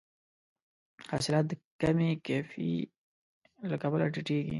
حاصلات د کمې او کیفي له کبله ټیټیږي.